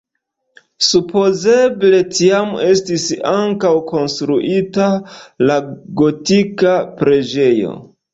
Supozeble tiam estis ankaŭ konstruita la gotika preĝejo.